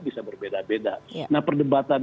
bisa berbeda beda nah perdebatan